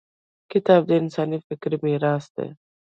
• کتاب د انسان فکري میراث دی.